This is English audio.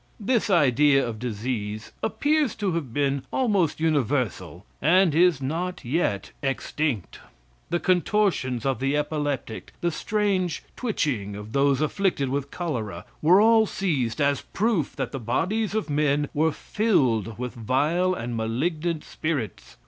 This idea of disease appears to have been almost universal and is not yet extinct. The contortions of the epileptic, the strange twitching of those afflicted with cholera, were all seized as proof that the bodies of men were filled with vile and malignant spirits.